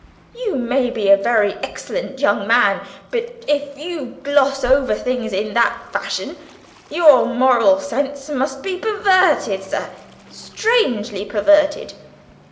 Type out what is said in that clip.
You may be a very excellent young man, but if you gloss over things in that fashion, your moral sense must be perverted, sir strangely perverted."